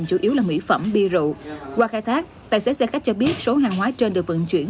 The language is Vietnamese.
hàng hóa mỹ phẩm bia rượu qua khai thác tài xế xe khách cho biết số hàng hóa trên được vận chuyển